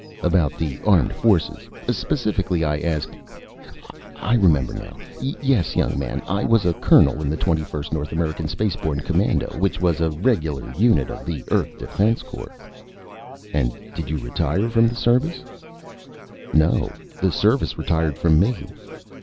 "About the armed forces. Specifically I asked " "I remember now. Yes, young man, I was a colonel in the Twenty first North American Spaceborne Commando, which was a regular unit of the Earth Defense Corps." "And did you retire from the service?" "No, the service retired from me."